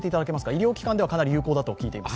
医療機関ではかなり有効だと聞いています。